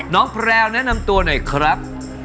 แพรวแนะนำตัวหน่อยครับ